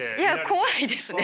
怖いですね。